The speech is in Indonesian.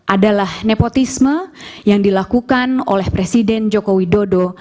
adalah nepotisme yang dilakukan oleh presiden joko widodo